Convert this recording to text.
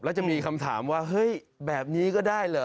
แล้วจะมีคำถามว่าเฮ้ยแบบนี้ก็ได้เหรอ